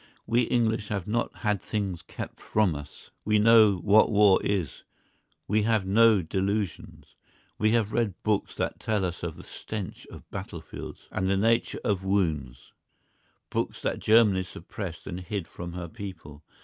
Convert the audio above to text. We English have not had things kept from us. We know what war is; we have no delusions. We have read books that tell us of the stench of battlefields, and the nature of wounds, books that Germany suppressed and hid from her people.